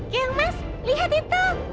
kelmas lihat itu